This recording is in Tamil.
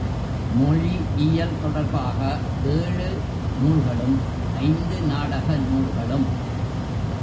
மொழி இயல் தொடர்பாக ஏழு நூல்களும், ஐந்து நாடக நூல்களும்.